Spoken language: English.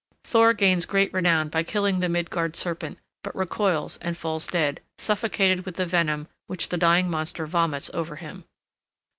Thor gains great renown by killing the Midgard serpent, but recoils and falls dead, suffocated with the venom which the dying monster vomits over him.